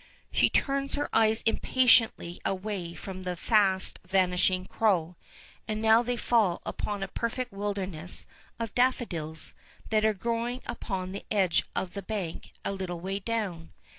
She turns her eyes impatiently away from the fast vanishing crow; and now they fall upon a perfect wilderness of daffodils that are growing upon the edge of the bank a little way down.